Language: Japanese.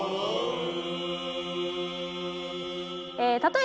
え